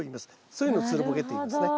そういうのをつるボケっていいますね。